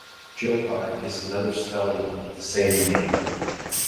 Giohar is another spelling of the same name.